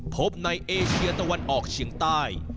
พบในเอเชียตะวันออกเฉียงใต้